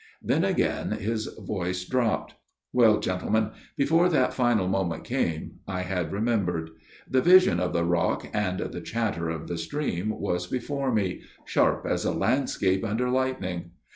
Then again his voice dropped. " Well, gentlemen, before that final moment came I had remembered. The vision of the rock and the chatter of the stream was before me, sharp as a landscape under lightning.